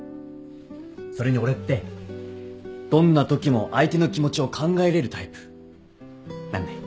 それに俺ってどんなときも相手の気持ちを考えれるタイプなんで。